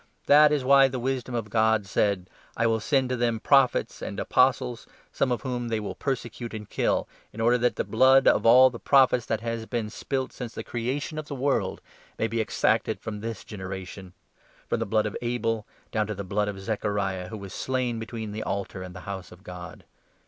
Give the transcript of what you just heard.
That is why 49 the Wisdom of God said —" I will send to them Prophets and Apostles, some of whom they will persecute and kill, in order 50 that the ' blood ' of all the prophets ' that has been spilt ' since the creation of the world may be exacted from this generation — from the blood of Abel down to the blood of Zechariah, who 51 was slain between the altar and the House of God."